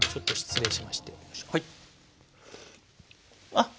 あっ！